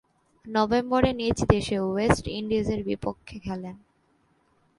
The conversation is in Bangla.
নভেম্বরে নিজ দেশে ওয়েস্ট ইন্ডিজের বিপক্ষে খেলেন।